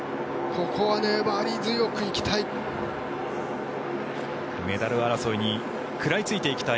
ここは粘り強く行きたい。